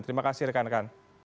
terima kasih rekan rekan